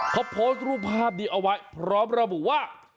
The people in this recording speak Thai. เขาโพสต์รูปภาพนี้เอาไว้พร้อมระบุว่า